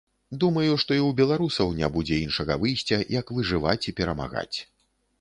Думаю, што і ў беларусаў не будзе іншага выйсця, як выжываць і перамагаць.